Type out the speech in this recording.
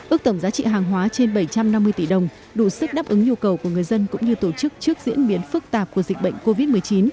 ước tổng giá trị hàng hóa trên bảy trăm năm mươi tỷ đồng đủ sức đáp ứng nhu cầu của người dân cũng như tổ chức trước diễn biến phức tạp của dịch bệnh covid một mươi chín